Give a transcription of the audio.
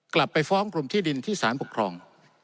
กลับไปฟ้องกลุ่มที่ดินที่สารปกครอง